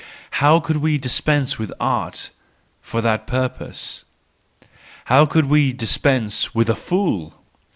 How could we dispense with Art for that purpose, how could we dispense with the fool